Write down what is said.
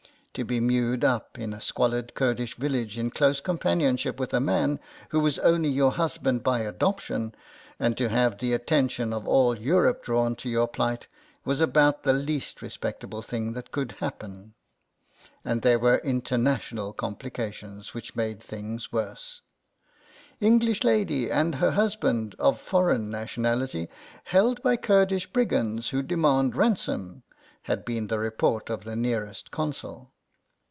To be mewed up in a squalid Kurdish village in close companion r 102 CROSS CURRENTS by adoption, and to have the attention of all Europe drawn to your plight, was about the least respectable thing that could happen. And there were international complications, which made things worse. "English lady and her husband, of foreign nationality, held by Kurdish brigands who demand ransom " had been the report of the nearest Consul.